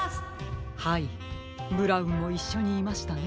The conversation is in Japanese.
はいブラウンもいっしょにいましたね。